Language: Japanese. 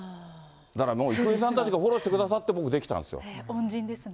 だからもう郁恵さんたちがフォローしてくださって僕できたん恩人ですね。